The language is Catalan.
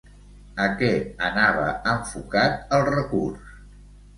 A què anava enfocat el recurs?